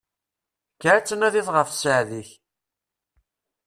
Kker ad tnadiḍ ɣef sseɛd-ik!